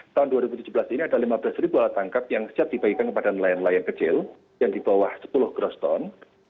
tahun dua ribu tujuh belas ini ada lima belas ribu alat tangkap yang siap dibagikan kepada nelayan nelayan kecil yang di bawah sepuluh groston